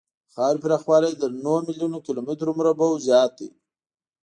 د خاورې پراخوالی یې تر نهو میلیونو کیلومترو مربعو زیات دی.